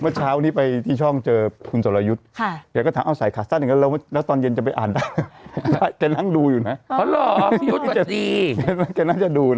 เมื่อเช้านี้ไปที่ช่องเจอคุณสวรรยุทธ์เดี๋ยวก็ถามเอาไข่คัดสั้นอีกแล้วแล้วตอนเย็นจะไปอ่าน